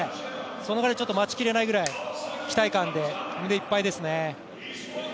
そのぐらい待ちきれないぐらい期待感で胸いっぱいですね。